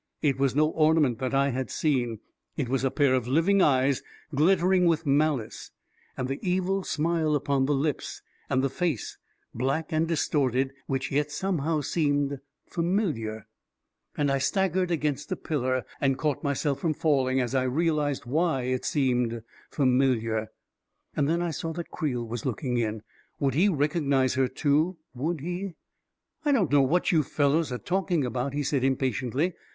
It was no ornament that I had seen ; it was a pair of living eyes, glittering with malice ! And the evil smile upon the lips — and the face, black and distorted, which yet somehow seemed familiar ... A KING IN BABYLON 347 And I staggered against a pillar and caught my self from falling, as I realized why it seemed fa miliar. And then I saw that Creel was looking in. Would he recognize her too ; would he ..." I don't know what you fellows are talking about," he said, impatiently.